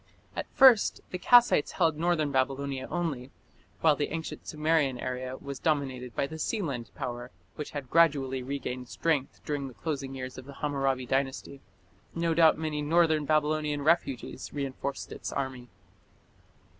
At first the Kassites held northern Babylonia only, while the ancient Sumerian area was dominated by the Sealand power, which had gradually regained strength during the closing years of the Hammurabi Dynasty. No doubt many northern Babylonian refugees reinforced its army.